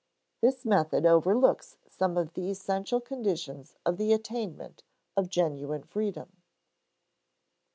This method overlooks some of the essential conditions of the attainment of genuine freedom.